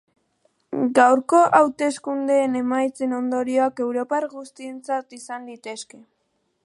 Gaurko hauteskundeen emaitzen ondorioak europar guztientzat izan litezke.